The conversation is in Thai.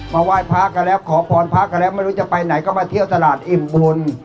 ไหว้พระกันแล้วขอพรพระกันแล้วไม่รู้จะไปไหนก็มาเที่ยวตลาดอิ่มบุญ